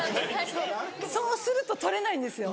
そうすると取れないんですよ。